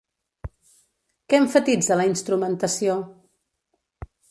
Què emfatitza la instrumentació?